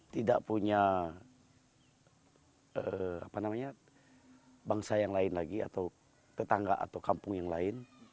tidak punya bangsa yang lain lagi atau tetangga atau kampung yang lain